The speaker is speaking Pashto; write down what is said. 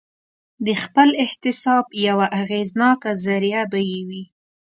د خپل احتساب یوه اغېزناکه ذریعه به یې وي.